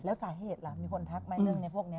แล้วสาเหตุล่ะมีคนทักไหมเรื่องในพวกนี้